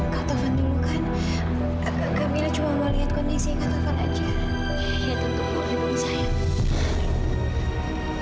kak tovan dulu kan